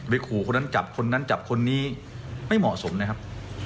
ขู่คนนั้นจับคนนั้นจับคนนี้ไม่เหมาะสมนะครับ